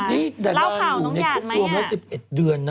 นี่ดานะอยู่ในกรุงส่วน๑๑เดือนนะ